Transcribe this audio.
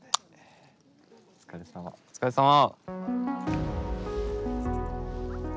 お疲れさま！